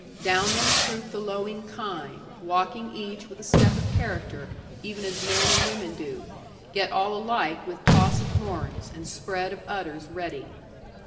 Down them troop the lowing kine, walking each with a step of character (even as men and women do), yet all alike with toss of horns, and spread of udders ready.